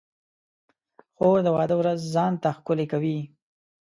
خور د واده ورځ ځان ته ښکلې کوي.